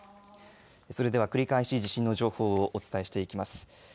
それでは繰り返し地震の情報をお伝えしていきます。